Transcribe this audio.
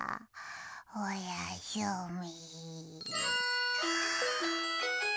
おやすみ。